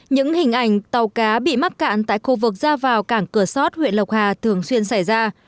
những hình ảnh tàu cá bị mắc cạn tại khu vực ra vào cảng cửa sót huyện lộc hà thường xuyên xảy ra